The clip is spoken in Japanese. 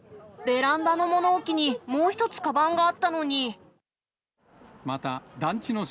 ベランダの物置にもう１つかばんがあったのに。